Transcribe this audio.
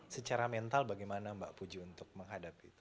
secara mental bagaimana mbak puji untuk menghadapi itu